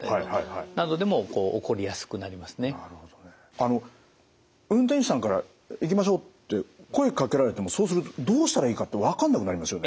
あの運転手さんから「行きましょう」って声かけられてもそうするとどうしたらいいかってわかんなくなりますよね。